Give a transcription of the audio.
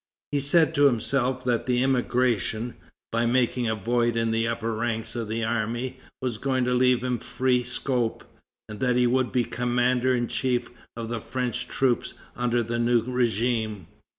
He said to himself that the emigration, by making a void in the upper ranks of the army, was going to leave him free scope, and that he would be commander in chief of the French troops under the new régime.